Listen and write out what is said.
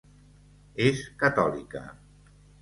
És catòlica.